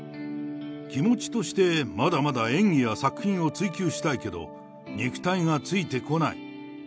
気持ちとして、まだまだ演技や作品を追求したいけど、肉体がついてこない。